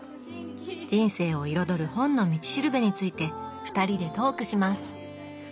人生を彩る「本の道しるべ」について２人でトークします！